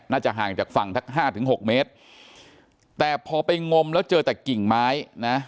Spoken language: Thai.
น่าจะห่างจากฝั่งทักห้าถึงหกเมตรแต่พอไปงมแล้วเจอแต่กิ่งไม้นะ